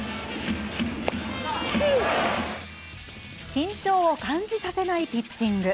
緊張を感じさせないピッチング。